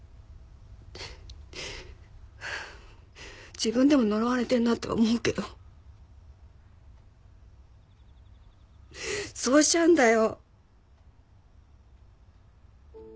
自分でも呪われてるなって思うけどそうしちゃうんだよ！